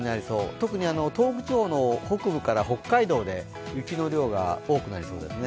特に東北地方の北部から北海道で雪の量が多くなりそうですね。